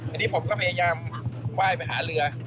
อันนี้ผมก็พยายามไหว้ไปหาเรือ